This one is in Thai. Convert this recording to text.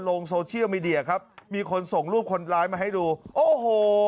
ลงโซเชียลมีเดียครับมีคนส่งรูปคนร้ายมาให้ดูโอ้โห